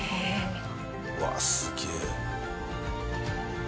うわあすげえ。